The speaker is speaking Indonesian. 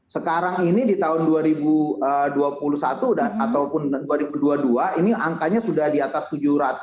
sekarang ini di tahun dua ribu dua puluh satu ataupun dua ribu dua puluh dua ini angkanya sudah di atas tujuh ratus